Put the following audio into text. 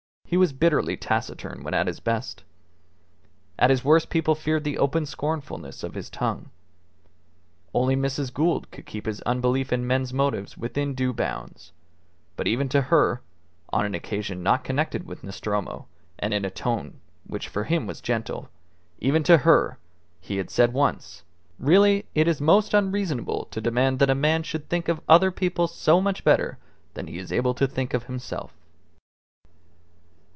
He was bitterly taciturn when at his best. At his worst people feared the open scornfulness of his tongue. Only Mrs. Gould could keep his unbelief in men's motives within due bounds; but even to her (on an occasion not connected with Nostromo, and in a tone which for him was gentle), even to her, he had said once, "Really, it is most unreasonable to demand that a man should think of other people so much better than he is able to think of himself."